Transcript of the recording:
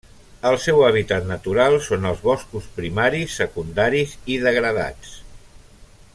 El seu hàbitat natural són els boscos primaris, secundaris i degradats.